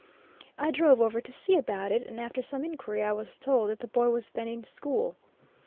I drove over to see about it, and after some inquiry I was told that the boy was then in school.